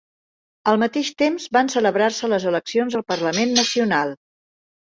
Al mateix temps van celebrar-se les eleccions al parlament nacional.